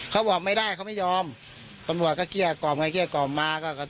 เขาบอกไม่ได้เขาไม่ยอมตำรวจก็เกลี้ยกล่อมไงเกลี้ยกล่อมมาก็